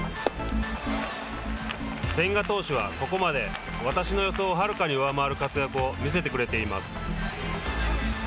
千賀投手は、ここまで私の予想をはるかに上回る活躍を見せてくれています。